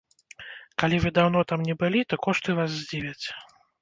Калі вы даўно там не былі, то кошты вас здзівяць.